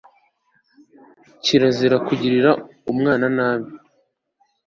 kirazira kugirira umwana nabi